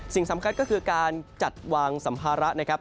สิ่งสำคัญก็คือการจัดวางสัมภาระนะครับ